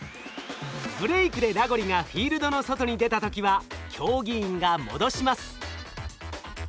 ブレイクでラゴリがフィールドの外に出た時は競技員が戻します。